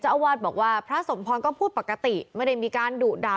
อาวาสบอกว่าพระสมพรก็พูดปกติไม่ได้มีการดุด่า